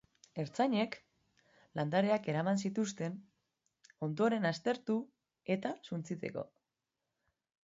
Ertzainek landareak eraman zituzten, ondoren aztertu eta suntsitzeko.